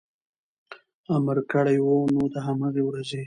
امر کړی و، نو د هماغې ورځې